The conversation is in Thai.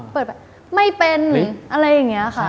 เปิดแบบไม่เป็นอะไรอย่างนี้ค่ะ